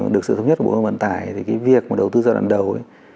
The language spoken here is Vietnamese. được sự thống nhất của bộ hội vận tải việc đầu tư giai đoạn đầu